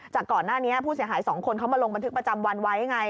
ก่อนหน้านี้ผู้เสียหายสองคนเขามาลงบันทึกประจำวันไว้ไง